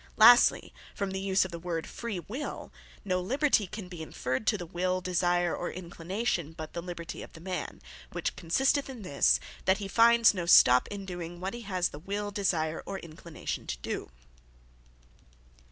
Lastly, from the use of the word Freewill, no liberty can be inferred to the will, desire, or inclination, but the liberty of the man; which consisteth in this, that he finds no stop, in doing what he has the will, desire, or inclination to doe.